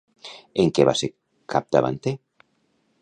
En què va ser capdavanter?